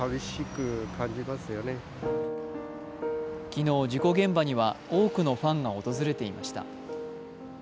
昨日、事故現場には多くのファンが訪れていました。